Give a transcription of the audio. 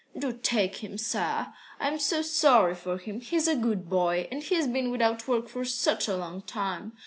"Do take him, sir. I'm so sorry for him. He's a good boy, and he's been without work for such a long time.